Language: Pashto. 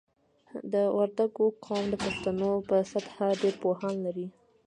د وردګو قوم د پښتنو په سطحه ډېر پوهان لري.